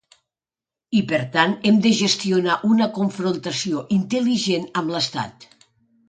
I per tant, hem de gestionar una confrontació intel·ligent amb l’estat.